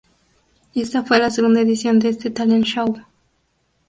Esta fue la segunda edición de este talent show.